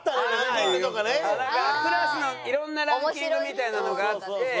クラスの色んなランキングみたいなのがあって。